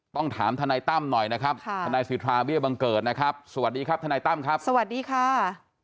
ต้องถามทนายตั้มหน่อยนะครับทนายสิทธาเบี้ยบังเกิดนะครับสวัสดีครับทนายตั้มครับสวัสดีค่ะ